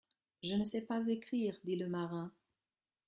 Je ne sais pas écrire, dit le marin.